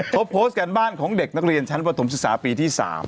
เขาโพสต์กันบ้านของเด็กนักเรียนชั้นประถมศึกษาปีที่๓